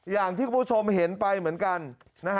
อย่างที่คุณผู้ชมเห็นไปเหมือนกันนะฮะ